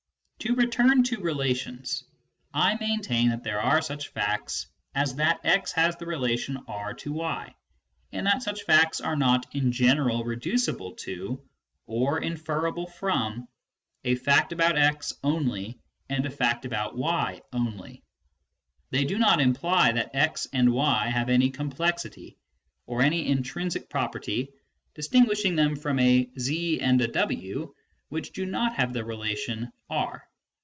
To return to relations : I maintain that there are such facts as that X has the relation R to y, and that such facts are not in general reducible to, or inferable from, a fact about x only and a fact about y only : they do not imply that x and y have any complexity, or any intrinsic property distinguishing them from a z and a xo which do not have the relation R.